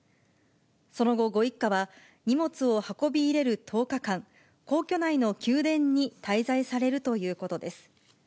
その後、ご一家は荷物を運び入れる１０日間、皇居内の宮殿に滞在されるということです。